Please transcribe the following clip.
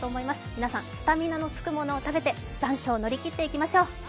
皆さん、スタミナのつくものを食べて残暑を乗り切っていきましょう。